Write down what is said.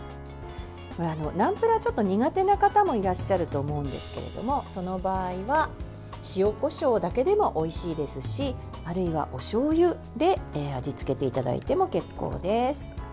ナムプラー、ちょっと苦手な方もいらっしゃると思うんですけどもその場合は塩、こしょうだけでもおいしいですしあるいは、おしょうゆで味付けていただいても結構です。